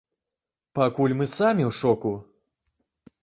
Пакуль мы самі ў шоку.